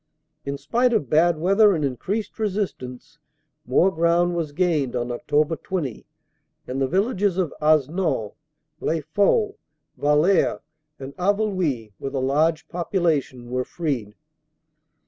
"In spite of bad weather and increased resistance more ground was gained on Oct. 20, and the villages of Hasnon, Les Faux, Wallers and Haveluy, with a large population, were freed.